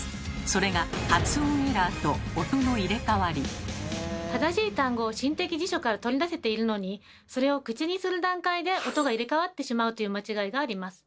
それが正しい単語を心的辞書から取り出せているのにそれを口にする段階で音が入れ代わってしまうという間違いがあります。